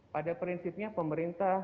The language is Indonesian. pada prinsipnya pemerintah